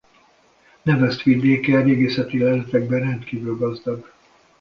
Nevest vidéke régészeti leletekben rendkívül gazdag.